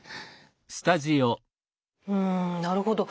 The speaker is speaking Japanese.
うんなるほど。